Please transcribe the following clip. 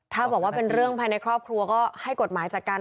ถ้าบอกว่าเป็นเรื่องภายในครอบครัวก็ให้กฎหมายจัดการ